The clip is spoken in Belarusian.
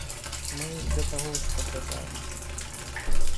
Мы, да таго ж, падразаем.